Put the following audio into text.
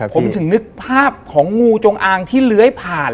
ผมถึงนึกภาพของงูจงอางที่เลื้อยผ่าน